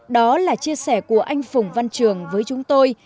đó là chia sẻ của anh phùng văn trường với chúng tôi